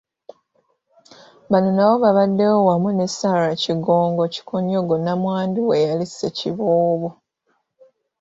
Bano nabo babaddewo wamu ne Sarah Kigongo Kikonyogo Nnamwandu w'eyali Ssekiboobo.